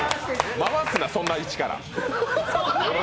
回すな、そんな位置から。